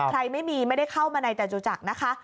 ไม่มีไม่ได้เข้ามาในจตุจักรนะคะ